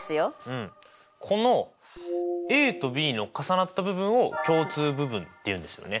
うんこのＡとＢの重なった部分を共通部分って言うんですよね。